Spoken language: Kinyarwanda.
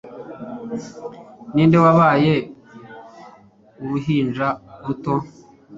ninde wabaye uruhinja ruto